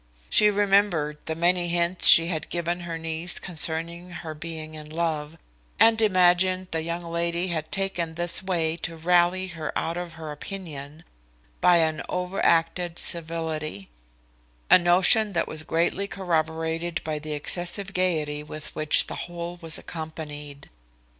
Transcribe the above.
She remembered the many hints she had given her niece concerning her being in love, and imagined the young lady had taken this way to rally her out of her opinion, by an overacted civility: a notion that was greatly corroborated by the excessive gaiety with which the whole was accompanied.